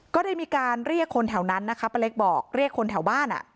ก็ได้มีการเรียกคนแถวนั้นนะคะป้าเล็กบอกเรียกคนแถวบ้าน